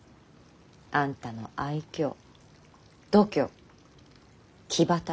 あんたの愛嬌度胸気働き。